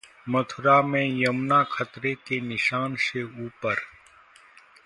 मथुरा में यमुना खतरे के निशान से ऊपर